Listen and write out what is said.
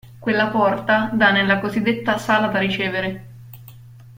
Quella porta dà nella cosiddetta sala da ricevere.